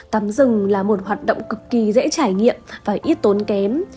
tắm rừng là một hoạt động cực kỳ dễ trải nghiệm và ít tốn kém